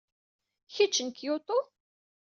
Kečč n Kyoto?